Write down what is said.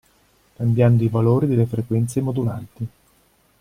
Cambiando i valori delle frequenze modulanti.